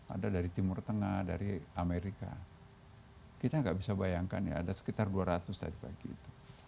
ada dari timur tengah dari amerika kita nggak bisa bayangkan ya ada sekitar dua ratus tadi pagi itu